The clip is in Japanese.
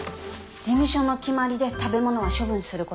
事務所の決まりで食べ物は処分することになってるの。